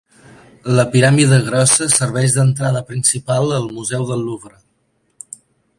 La piràmide grossa serveix d'entrada principal al Museu del Louvre.